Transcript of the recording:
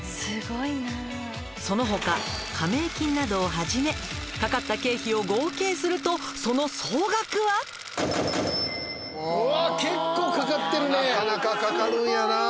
「その他加盟金などをはじめかかった経費を合計するとその総額は」なかなかかかるんやな。